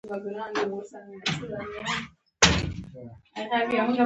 د مخ ښکلا دي د خط په راتلو زیاته شوه.